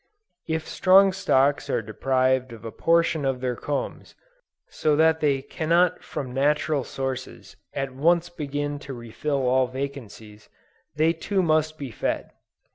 If strong stocks are deprived of a portion of their combs, so that they cannot from natural sources, at once begin to refill all vacancies, they too must be fed.